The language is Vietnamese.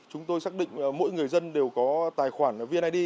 chúng tôi xác định mỗi người dân đều có tài khoản vned